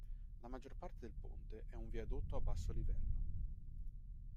La maggior parte del ponte è un viadotto a basso livello.